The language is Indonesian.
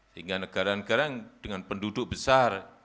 sehingga negara negara yang dengan penduduk besar